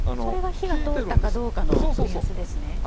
それが火が通ったかどうかの目安ですね。